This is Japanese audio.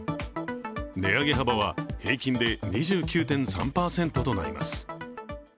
値上げ幅は平均で２９．３％となります。